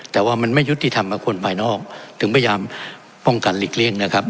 แต่ว่ามันไม่ยุติธรรมกับคนภายนอกถึงพยายามป้องกันหลีกเลี่ยงนะครับ